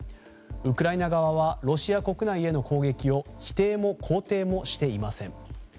ウクライナ側はロシア国内への攻撃を否定も肯定もしていません。